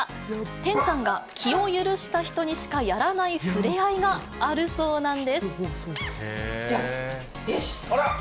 てんちゃんが気を許した人にしかやらない触れ合いがあるそうなんジャンプ、よし。